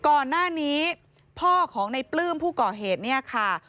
ก่อนหน้านี้พ่อของในปลื้มผู้ก่อเหตุเนี่ยค่ะ